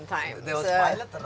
dan kemudian saya berhasil kedua kali